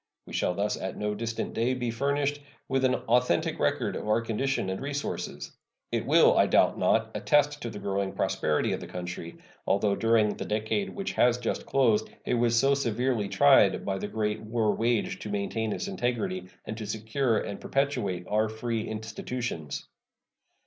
We shall thus at no distant day be furnished with an authentic record of our condition and resources. It will, I doubt not, attest the growing prosperity of the country, although during the decade which has just closed it was so severely tried by the great war waged to maintain its integrity and to secure and perpetuate our free institutions.